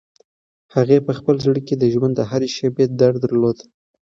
هغې په خپل زړه کې د ژوند د هرې شېبې درد درلود.